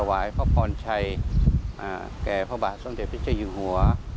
วายพระพรชัยแก่พระบาทสมเด็จพระเจ้าอยู่หัว